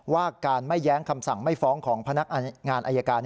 ว่าการไม่แย้งคำสั่งไม่ฟ้องของพนักงานอายการ